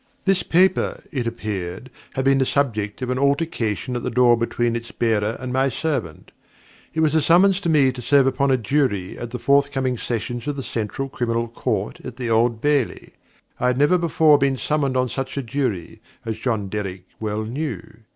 This paper, it appeared, had been the subject of an altercation at the door between its bearer and my servant. It was a summons to me to serve upon a Jury at the forthcoming Sessions of the Central Criminal Court at the Old Bailey. I had never before been summoned on such a Jury, as John Derrick well knew.